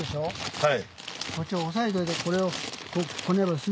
はい。